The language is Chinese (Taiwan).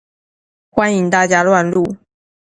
歡迎大家亂入